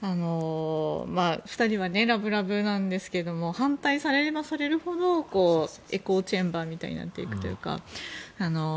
２人はラブラブなんですけれども反対されればされるほどエコーチェンバーみたいになっていくというか。